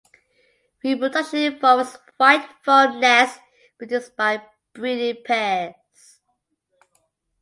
Reproduction involves white foam nests produced by breeding pairs.